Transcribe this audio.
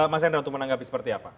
mas hendra untuk menanggapi seperti apa